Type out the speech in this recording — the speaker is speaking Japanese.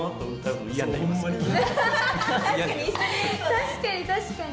確かに確かに。